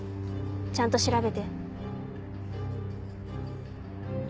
ちゃんと調べて。